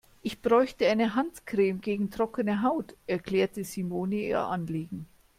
Ich bräuchte eine Handcreme gegen trockene Haut, erklärte Simone ihr Anliegen.